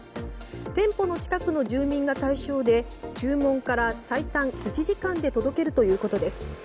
店舗の近くの住民が対象で注文から最短１時間で届けるということです。